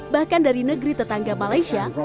bahkan dari negeri tetangga malaysia